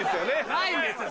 ないんですよ